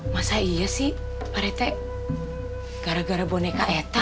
masa iya sih parete gara gara boneka eta